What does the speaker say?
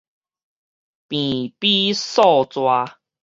平比數逝